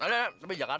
ada tapi di jakarta